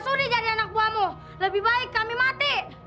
sudah jadi anak buahmu lebih baik kami mati